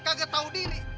kagak tahu diri